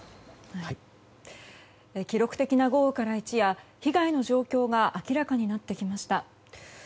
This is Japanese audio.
記録的な豪雨から一夜被害の状況が明らかになってきました。